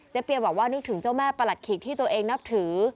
เปียบอกว่านึกถึงเจ้าแม่ประหลัดขิกที่ตัวเองนับถือ